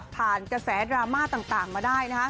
ผ่านกระแสดราม่าต่างมาได้นะคะ